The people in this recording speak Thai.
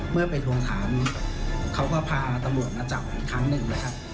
เมื่อไปทวงถามเขาก็พาตำรวจมาจับอีกครั้งหนึ่งนะครับ